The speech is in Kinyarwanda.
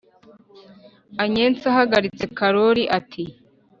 anyensi ahagaritse karoli ati…